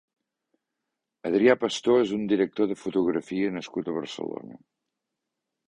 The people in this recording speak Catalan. Adrià Pastor és un director de fotografia nascut a Barcelona.